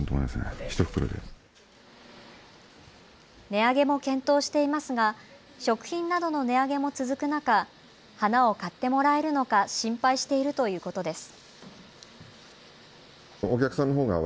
値上げも検討していますが食品などの値上げも続く中、花を買ってもらえるのか心配しているということです。